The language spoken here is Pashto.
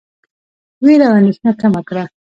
وېره او اندېښنه کمه کړه.